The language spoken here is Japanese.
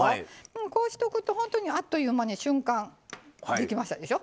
こうしとくとほんとにあっという間に瞬間できましたでしょ。